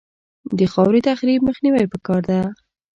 د خاورې تخریب مخنیوی پکار دی